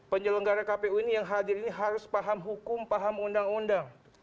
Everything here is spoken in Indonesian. penyelenggara kpu ini yang hadir ini harus paham hukum paham undang undang